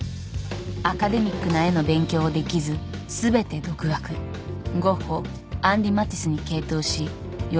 「アカデミックな絵の勉強をできず全て独学」「ゴッホアンリ・マティスに傾倒し萬